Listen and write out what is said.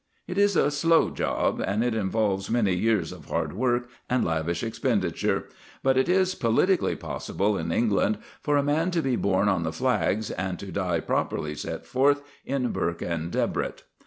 It is a slow job, and it involves many years of hard work and lavish expenditure; but it is politically possible in England for a man to be born on the flags and to die properly set forth in Burke and Debrett.